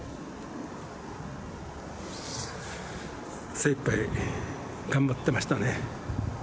精いっぱい頑張ってましたね。